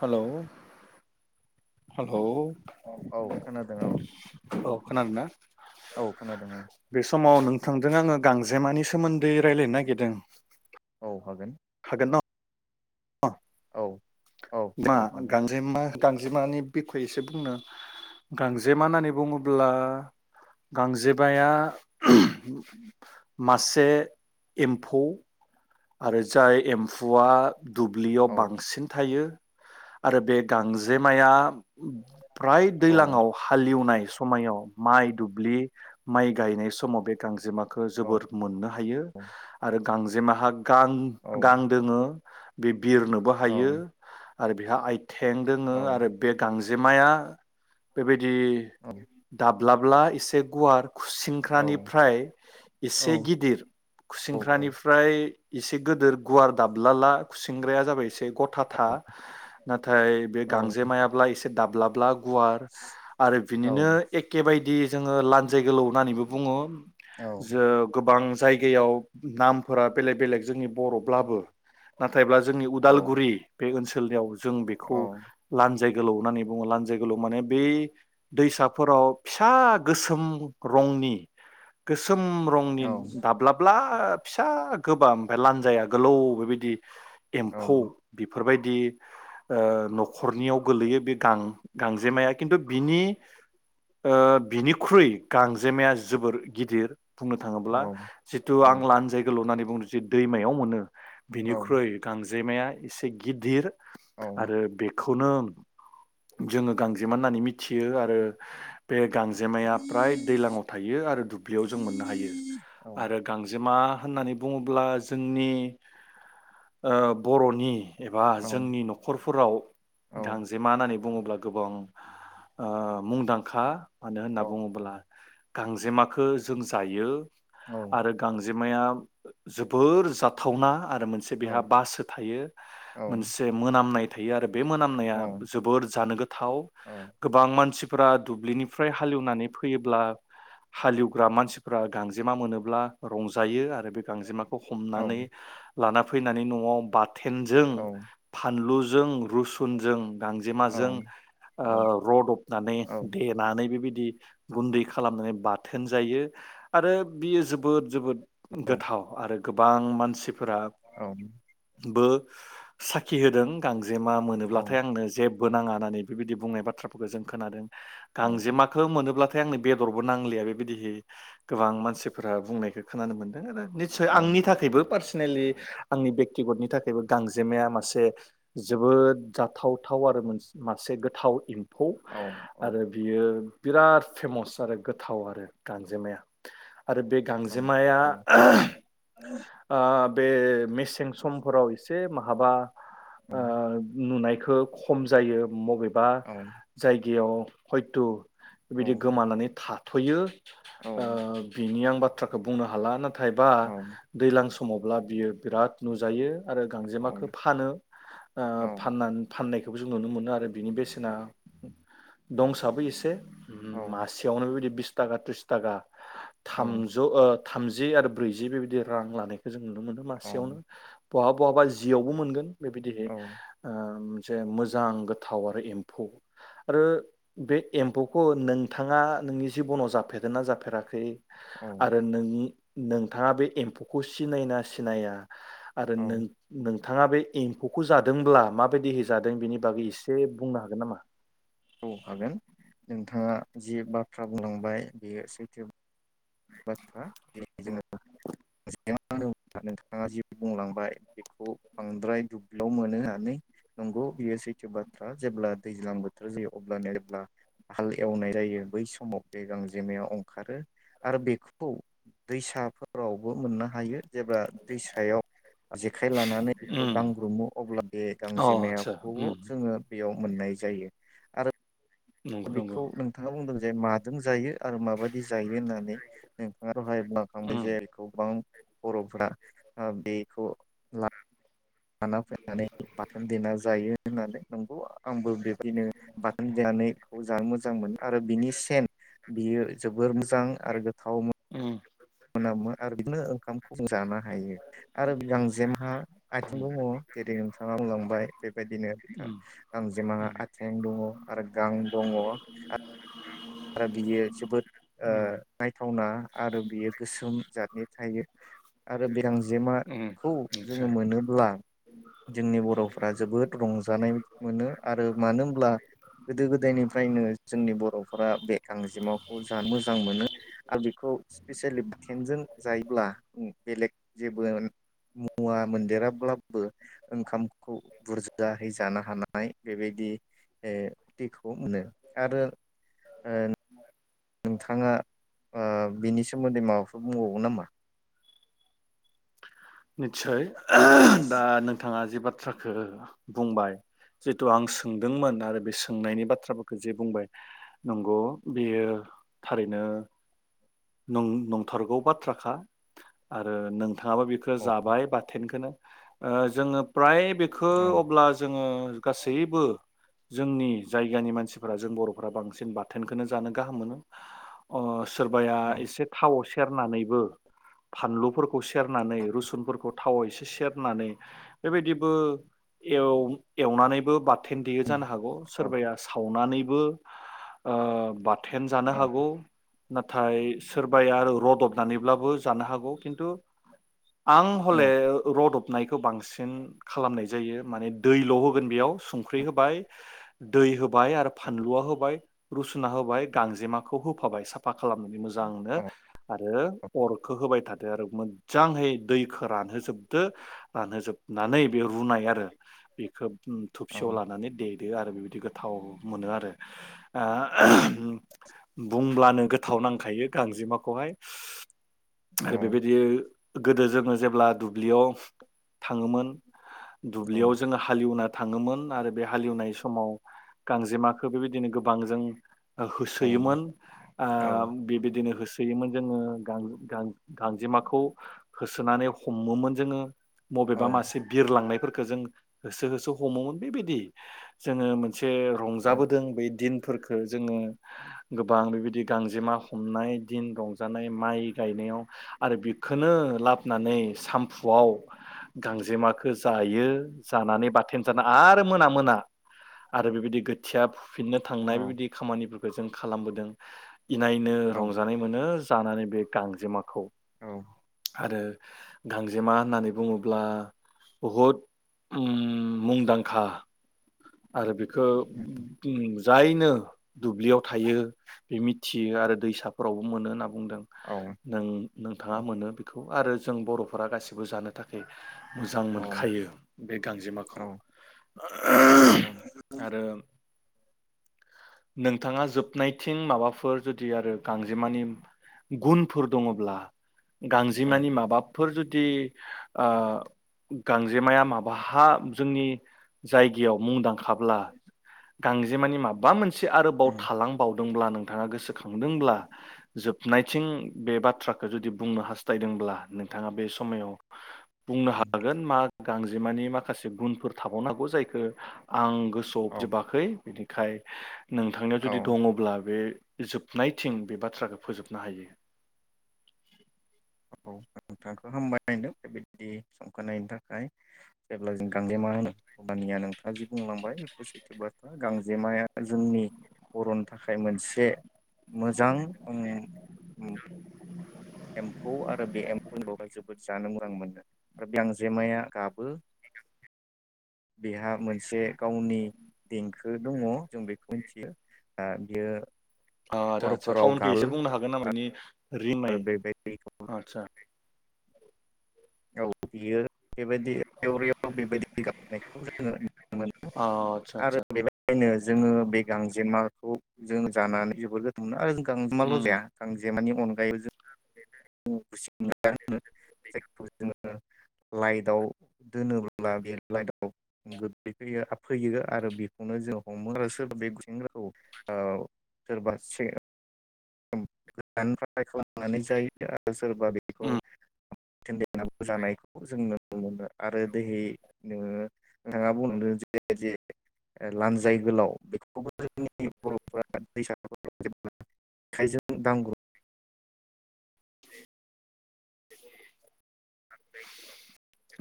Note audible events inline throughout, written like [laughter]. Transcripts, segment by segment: Hello hello औ खोनादों औ औ खोनादों ना औ खोनादों औ बे समाव नोंथांजों आङो गांजेमानि सोमोन्दै रायलायनो नागिरदों औ हागोन न [unintelligible] औ औ मा औ हागोन गांजेमा गांजेमानि बिखय एसे बुंनो गांजेमा होननानै बुङोब्ला गांजेमाया [unintelligible] मासे एम्फौ आरो जाय एम्फौआ दुब्लियाव औ बांसिन थायो आरो बे गांजेमाया फ्राय औ दैलाङाव हालेवनाय समायाव माइ दुब्लि माइ गायनाय समाव बे गांजेमाखो औ जोबोर मोनो हायो आरो गांजेमाहा गां औ गां दोङो बे बिरनोबो औ हायो आरो बेहा आइ थें औ दोङो आरो बे गांजेमा जेमाया बेबायदि दि औ दाब्लाब माब्ला एसे गुवार औ खुसिंख्रानिफ्राय एसे गिदिर खुसिंख्रानिफ्राय एसे गोदोर गुवार दाबलाला खुसिंग्राया जाबाय एसे गथा था नाथाय बे औ गांजेमायाब्ला एसे दाब्लाब [inaudible] गुवार आरो बिनिनो एखे बायदि जोङो लान्जाय गोलाव होननानैबो बुङो जो गोबां जायगायाव नामफोरा बेलेग बेलेग जोंनि बर'ब्लाबो नाथायब्ला जोंनि उदालगुरि बे ओनसोल [unintelligible] जों बेखौ लान्जाय गोलाव होननानै बुङो लानजाइ लानजाइ गोलाव माने बे दैसाफोराव फिसा गोसोम रंनि [inaudible] गोसोम रंनि दाब्लाब्ला फिसा गोबा ओमफ्राय लानजाया गोलौ बेबायदि एम्फौ बेफो फोरबायदि ओ न'खरनियाव गोलैयो बे गां- गांजेमाया खिन्थु बिनि ओ बिनि ख्रुइ गांजेमाया जोबोर गिदिर बुंनो थाङोब्ला जितु आं लानजाइ गोलाव होननानै बुंनो दैमायाव मोनो बिनिख्रुइ गांजे माया एसे गिदिर आरो बेखौ खौनो जोङो गांजेमा होननानै मिथियो आरो बे गांजेमाया फ्राय दैज्लांङाव थायो आरो दुब्लियाव जों मोननो हायो आरो गांजेमा होननानै बुङोब ब्ला जोंनि ओ बर'नि एबा जोंनि न'खरफोराव गांजेमा होनानै बुङोब्ला गोबां ओ मुंदांखा मानो होनना बुङोब्ला गांजेमाखो जों जायो आरो गांजे जेमाया जोबोर जाथावना आरो मोनसे बेहा बासो थायो मोनसे मोनामनाय थायो आरो बे मोनामनाया जोबोर जानो गोथाव गोबां मानसिफोरा दुब्लिनि ओमफ्राय हालेवनानै फैयोब्ला हालेवग्रा मानसि फ्रा गांजेमा मोनोब्ला रंजायो आरो बे गांजेमा हमनानै लाना फैनानै न'आव बा थेनजों फानलु जों रुसुनजों गांजेमाजों ओ रदबनानै देनानै बैबा दि गुनदै खालामनानै बाथोन जायो आरो बियो जोबोद जोबोद गो थाव आरो गोबां मानसि फोरा औ बो साखि होदों गां जेमा औ मोनोब्लाथाय आंनो जे बो नाङा होननानै बेबायदि बुंनाय बाथ्राफोरखौ जों खोनादों औ गांजेमाखौ मोनोब्ला थाय आंनो बेदरबो नांलिया बेबायदिहै गोबां मानसिफोरा बुंनायखौ खोनानो मोनदों आरो निस्सय आंनि थाखायबो पार स्नेलि आंनि बेक्तिगतनि थाखायबो गांजेमाया मासे जोबोद जाथावथाव आरो मो मासे गोथाव एम फौ आरो बियो बिराद फेमास आरो गोथाव आरो गांजेमाया आरो बे गांजेमाया आहम ओ बे मेसें समफोराव एसे माहाबा आ नुनाय खम जायो मबे बा जाय गयाव हयत' बिदि गोमानानै था थुयो ओ बिनि आं बा बाथ्राखौ बुंनो हाला ना नाथायबा दैज्लां समावब्ला बियो बिराद नुजायो आरो गांजेमाखौ फानो ओ फाननानै फाननाय बेखौ जों नुनो मोनो आरो बिनि बेसेना दंसाबो एसे मासेयावनो बेबायदि बिस थाखा थ्रिस थाखा थामजौ ओ थामजि आरो ब्रैजि बेबायदि रां लानाय जों नुनो मोनो मासेयावनो बहाबा बहाबा जियावबो मोनगोन बेबायदिहै मोनसे मोजां गोथाव आरो एम्फौ आरो बे एम्फौखौ नोंथाङा नोंनि जिबनाव जाफेरदों ना जाफेराखै आरो नोंनि नोंथाङा बे एम फख' सिनायोना सिनाया आरो नों नों थाङा बे एम्फ'खौ जादोंब्ला माबायदिहै जादों बेनि बागै एसे बुंनो हागोन नामा? औ हागोन नोंथाङा जि बाथ्रा बुंलांबाय बेयो सैथो बाथ्रा जे जोङो [inaudible] नोंथाङा जे बुंलांबाय बेखौ बांद्राय दुब्लियाव मोनो होननानै नंगौ बियो सैथो बाथ्रा जेब्ला दैज्लां बोथोर जायो अब्लानो जेब्ला हाल एवनाय जायो बै समाव बे गांजेमाया अंखारो। आरो बेखौ दैसाफोरावबो मोननो हायो। जेब्ला दैसायाव जेखाइ लानानै बेखौ उम दांग्रुमो अब्ला बे गांजेमायाखौ जोङो बेयाव मोननाय जायो आरो नंगौ, नंगौ। बिखौ नोंथाङा बुंदों जे माजों जायो आरो माबायदि जायो होननानै नोंथाङा दहाय उम, [unintelligible] बर'फ्रा ओ बेखौ ला लाना फैनानै बाथोन देना जायो। होनानै नंगौ आ आंबो बेबदिनो बाथोन देनानै खौ जान मोज जां मोन आरो बिनि सेन बियो जोबोर मोजां आरो गोथावमो उम, मोनामो आरो बिदिनो ओंखामखौ जों जानो हायो आरो गांजेमहा आथिं उम, दङ जेरै नोंथाङा बुंलांबाय बेबायदिनो बिथां उम, गांजेमाहा उम, आथें दङ आरो गां दङ आ आरा बियो जोबोद ओ उम, नायथावना आरो बियो गोसोम जादनि थायो। आरो बे जेमा उम, खौ जोङो निस्सय, मोनोब्ला जोंनि बर'फ्रा जोबोद रंजानाय मोनो आरो मानो होमब्ला गोदो गोदायनिफ्रायनो जोंनि बर' आ बे गांजेमाखौ जा मोजां मोनो आ बेखौ स्पेसियेलि बाथेन जों जायोब्ला बेलेग जेबो मुवा मोनदेराब्लाबो ओंखामखौ बुरजाहै जानो हानाय बेबायदि ए दिखौ मोनो आरो ओन नोंथाङा ओ बिनि सोमोन्दै माबाफोर बुंबावो नामा? नितसय [unintelligible] दा नोंथाङा जि बाथ्राखो बुंबाय जितु आं सोंदोंमोन आरो बे सोंनायनि बाथ्राफोरखो जे बुंबाय नंग' बेयो थारैनो नं नंथारगौ बाथ्राखा आरो नों थाङाबो बेखो औ जाबाय बाथेनखोनो ओ जोङो फ्राय बेखौ औ अब्ला जोङो गासैबो जोंनि जायगानि मानसिफोरा जों बर'फोरा्रा बांसिन बाथोनखौनो जानो गाहाम मोनो सोरबाया औ एसे थाव सेरनानैबो फानलुफोरखौ सेरनानै रुसुनफोरखौ थावाव एसे सेरनानै बेबायदिबो एव एवनानैबो बाथेन देयो जानो हागौ औ सोरबाया सावनानै बो ओ बा थेन जानो औ हागौ नाथाय सोरबाया आरो रदबनानैब्लाबो जानो हागौ खिन्थु आं औ औ हले रदब साबनायखौ बांसिन खालामनाय जायो माने दैल' होगोन बेयाव संख्रि होबाय दै होबाय होबाय आरो फानलुआ होबाय रुसुना होबाय गांजेमाखौ होफाबाय साफा खालामनानै मोजां मोजांनो औ आरो अरखौ होबाय थादो आरो मोजाङै दैखौ रानहोजोबदो रानहोजोबनानै बे रुनाय आरो बेखौ औ थुबसेयाव लानानै दे द आरो बेबायदि गोथाव मोनो आरो ओ बुंब्लानो गोथाव नांखायो गांजेमाखौहाय औ आरो बेबायदि गोदो जोङो जेब्ला दुब्लियाव थाङोमोन औ दुब्लियाव जोङो हालिवना थाङोमोन आरो बे हालेवनाय समाव गांजेमाखो बेबायदिनो गोबांजों होसोयोमोन आ बेबायदि बिदिनो होसोयोमोन जोङो गांजेमाखौ होसोनानै हमोमोन जोङो बबेबा मासे बिरलांनायफोरखौ खो जों होसो होसो हमोमोनबेबायदि जोङो मोन एसे रंजाबोदों बै दिन फोरखो जोङो गोबां बेबायदि गांजेमा हमनाय दिन रंजानाय माइ गायनायाव आरो बेखौनो लाबोनानै सामफुआव गांजेमाखौ जायो जानानै बाथोन जानो आरो मोना मोना आरो बेबायदि गोथिया फुफिननो थांनाय बेबायदि खामानिफोरखौ जों खालामबोदों इनाय नो रंजानाय मोनो जानानै बे गांजेमाखौ औ आरो गांजेमा होननानै बुङोब्ला बहुद मुंदांखा आरो बि खो उम जायनो दुब्लियाव थायो बे मिथियो आरो दैसाफोरावबो मोनो होनना बुङो बुंदों औ नों नोंथाङा मोनो बेखौ खौ आरो जों बर'फोरा गासिबो जानो थाखोय मोजां मोनखायो बे गांजेमाखौ [unintelligible] आरो नोंथाङा जोबनायथिं माबाफोर जुदि आरो गांजेमानि गुनफोर दङब्ला औ गांजेमानि माबा फोर जुदि ओ गांजेमाया माबाहा जोंनि जायगायाव मुंदां खाब्ला गांजेमानि माबा मोन से आरोबाव थालां बावदोंब्ला नों नोंथाङा गोसोखांदोंब्ला जोबनायथिं बे बाथ्राखो जुदि बुंनो हास्थायदोंब्ला नोंथाङा बे समायाव बुंनो हागोन मा गांजेमानि माखासे गुनफोर थाबावनो हागौ जायखो आं गोसोआव जोबाखै बिनि खाय नोंथांनियाव औ जुदि दङब्ला बे जोबनायथिं बे बाथ्राखो फोजोबनो हायो। औ नोंथांखौ हामबायहोनदों बेबायदि संखोनायनि थाखाय जेब्ला जों गांजेमा होनो अब्लानिया नोंथाङा जि बुंलांबाय बेफोर सैथो बाथ्रा। गांजेमाया जोंनि बर'न थाखाय मोनसे मोजां उम उम एमफौ आरो बे एमफौ [unintelligible] जोबोद जानो मोजां मोनो आरो बे आंजेमाया गाबो बेहा मोनसे गावनि देंखो दङ जों बेखौ मोनथियो। दा बियो ओ आदा आदसा हरफोराव टाउनखो गाबो एसे बुंनो हागोन आं बिनि आरो रिमाय बेबायदिखौ आतसा औ बियो बेबायदि रिउ रिउ बेबायदि गाबनायखौ जोङो अ आतसा आतसा। आइनो जोङो बे गांजेमाखौ जों जानानै जोबोर गोथाव मोनो आरोंख गांजेमाल' उम जाया गांजेमानि अनगायैबो जों [inaudible] [inaudible] [inaudible] लाइटआव दोनोब्ला बे लाइटआव गोग्लैै फैयो आरो बेखौनो जोङो हमो आरो सोरबा बे गुसेंग्राखौ ओ सोरबा से [unintelligible] लानाय जायो आरो सोरबा बेखौ [unintelligible] [unintelligible] जानायखौ जोंनो नुनो मोनो आरो दैहै नोङो नोंथाङा बुं जे जे लानजाय गोलाव बेखौबो जोंनि बर'फोरा दैसाफोराव जेब्ला आखायजों दांग्रोम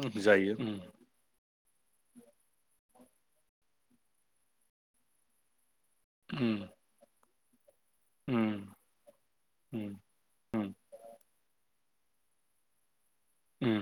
उ जायो उ उ उ उ उम